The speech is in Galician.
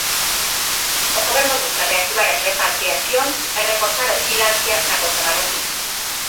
O Goberno busca reactivar as repatriacións e reforzar a vixilancia na costa marroquí.